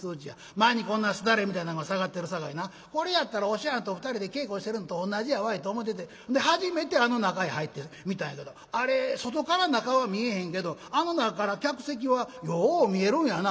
「前にこんなすだれみたいなんが下がってるさかいなこれやったらお師匠はんと２人で稽古してるのと同じやわいと思うてて初めてあの中へ入ってみたんやけどあれ外から中は見えへんけどあの中から客席はよう見えるんやな」。